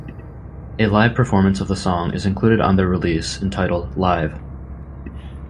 A live performance of the song is included on their release entitled "Live".